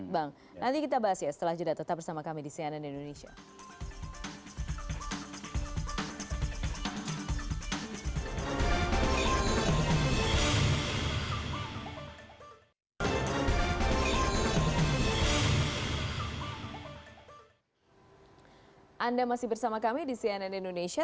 bang nanti kita bahas ya setelah ini tetap bersama kami di cnn indonesia